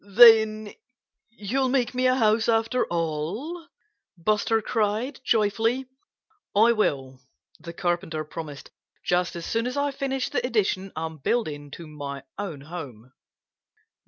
"Then you'll make me a house, after all?" Buster cried joyfully. "I will," the Carpenter promised, "just as soon as I finish the addition I'm building to my own home."